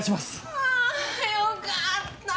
あぁよかった！